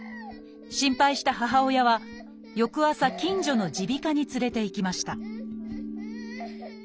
心配した母親は翌朝近所の耳鼻科に連れていきました